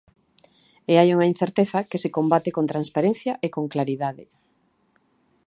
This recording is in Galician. E hai unha incerteza que se combate con transparencia e con claridade.